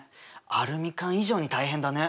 アルミ缶以上に大変だね。